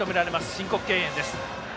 申告敬遠です。